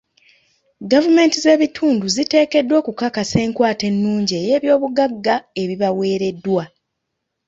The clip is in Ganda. Gavumenti z'ebitundu ziteekeddwa okukakasa enkwata ennungi ey'ebyobugagga ebibaweereddwa.